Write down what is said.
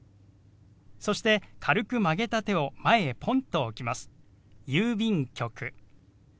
そして軽く曲げた手を前へポンと置きます。